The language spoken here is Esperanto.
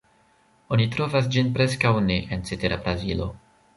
Oni trovas ĝin preskaŭ ne en cetera Brazilo.